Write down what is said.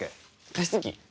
加湿器。